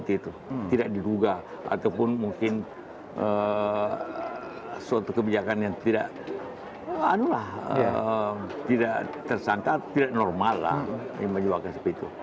tidak diduga ataupun mungkin suatu kebijakan yang tidak tersangka tidak normal lah yang menyebabkan seperti itu